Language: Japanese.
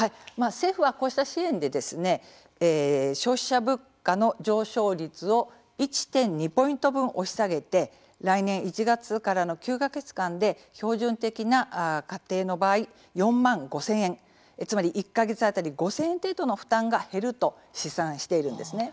政府は、こうした支援で消費者物価の上昇率を１．２ポイント分押し下げて来年１月からの９か月間で標準的な家庭の場合４万５０００円つまり、１か月当たり５０００円程度の負担が減ると試算しているんですね。